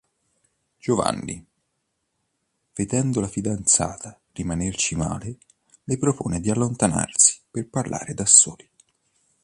Giovanni, vedendo la fidanzata rimanerci male, le propone di allontanarsi per parlare da soli.